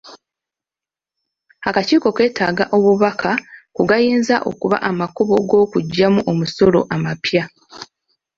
Akakiiko keetaaga obubaka ku gayinza okuba amakubo g'okuggyamu omusolo amapya.